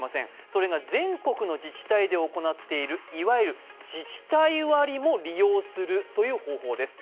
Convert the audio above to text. それが全国の自治体で行っているいわゆる自治体割も利用するという方法です。